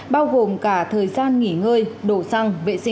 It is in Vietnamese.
bao gồm cả thời gian nghỉ ngơi